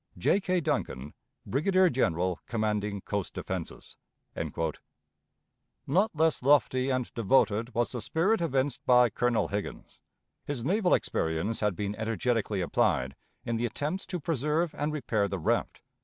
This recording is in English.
"J. K. DUNCAN, "Brigadier General, commanding coast defenses." Not less lofty and devoted was the spirit evinced by Colonel Higgins. His naval experience had been energetically applied in the attempts to preserve and repair the raft.